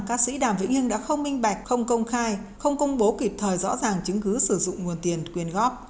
các sĩ đàm vĩnh hưng đã không minh bạch không công khai không công bố kịp thời rõ ràng chứng cứ sử dụng nguồn tiền quyên góp